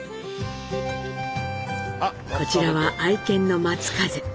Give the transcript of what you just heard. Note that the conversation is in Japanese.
こちらは愛犬の松風。